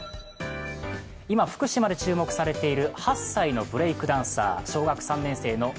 今、福島で注目されている８歳のブレイクダンサー。